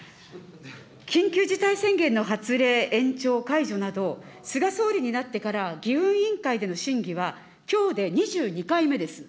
緊急事態宣言の発令、延長、解除など、菅総理になってから議院委員会での審議はきょうで２２回目です。